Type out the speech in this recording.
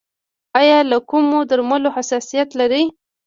ایا له کومو درملو حساسیت لرئ؟